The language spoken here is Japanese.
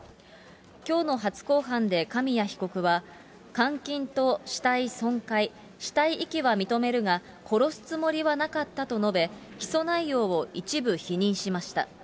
きょうの初公判で紙谷被告は、監禁と死体損壊、死体遺棄は認めるが、殺すつもりはなかったと述べ、起訴内容を一部否認しました。